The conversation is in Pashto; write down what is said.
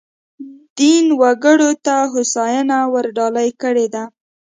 دین وګړو ته هوساینه ورډالۍ کړې ده.